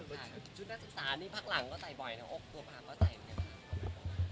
ชุดนักศึกษานี่ภาคหลังก็ใส่บ่อยเนาะ